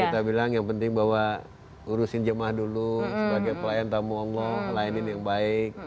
kita bilang yang penting bahwa urusin jemaah dulu sebagai pelayan tamu allah layanin yang baik